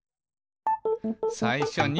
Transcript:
「さいしょに」